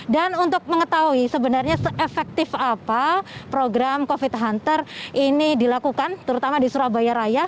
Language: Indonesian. dan untuk mengetahui sebenarnya se efektif apa program covid hunter ini dilakukan terutama di surabaya raya